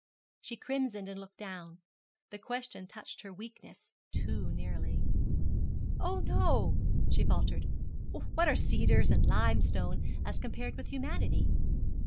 She crimsoned and looked down. The question touched her weakness too nearly. 'Oh, no,' she faltered; 'what are cedars and limestone as compared with humanity?'